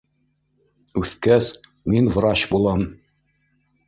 - Үҫкәс, мин врач булам.